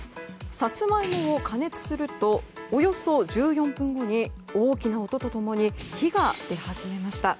サツマイモを加熱するとおよそ１４分後に大きな音と共に火が出始めました。